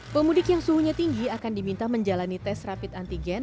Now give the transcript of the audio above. pemudik yang suhunya tinggi akan diminta menjalani tes rapid antigen